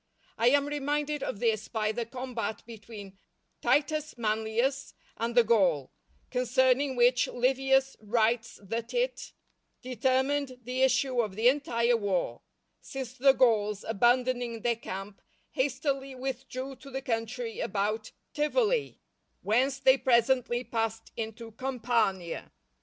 I am reminded of this by the combat between Titus Manlius and the Gaul, concerning which Livius writes that it "_determined the issue of the entire war; since the Gauls, abandoning their camp, hastily withdrew to the country about Tivoli, whence they presently passed into Campania.